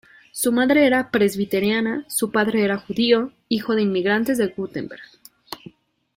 Su madre era presbiteriana, su padre era judío, hijo de inmigrantes de Württemberg.